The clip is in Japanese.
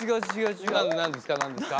何ですか？